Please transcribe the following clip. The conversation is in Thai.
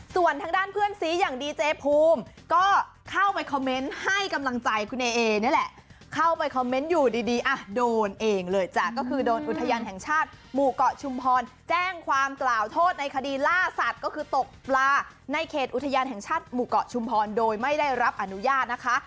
ส่วนทางด้านเพื่อนสีอย่างดีเจภูมิก็เข้าไปคอมเมนต์ให้กำลังใจคุณเอนี่แหละเข้าไปคอมเมนต์อยู่ดีอ่ะโดนเองเลยจ้ะก็คือโดนอุทยานแห่งชาติหมู่เกาะชุมพรแจ้งความกล่าวโทษในคดีล่าสัตว์ก็คือตกปลาในเขตอุทยานแห่งชาติหมู่เกาะชุมพรโดยไม่ได้รับอนุญาตนะคะ